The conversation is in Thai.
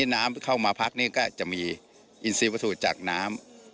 น้ำเข้ามาพักนี้ก็จะมีอินสีประสุทธิ์จากน้ำ